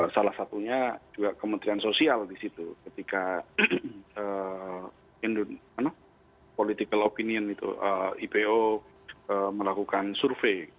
salah satunya juga kementerian sosial di situ ketika political opinion itu ipo melakukan survei